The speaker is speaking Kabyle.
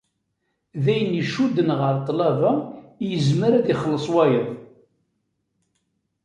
D ayen icudden ɣer ṭṭlaba i yezmer ad ixelleṣ wayeḍ.